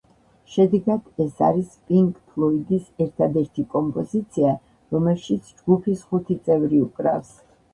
შედეგად, ეს არის პინკ ფლოიდის ერთადერთი კომპოზიცია, რომელშიც ჯგუფის ხუთი წევრი უკრავს.